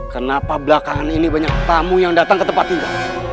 kenapa belakangan ini banyak tamu yang datang ke tempat tinggal